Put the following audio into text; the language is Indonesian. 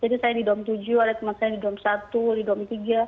jadi saya di dom tujuh ada teman saya di dom satu di dom tiga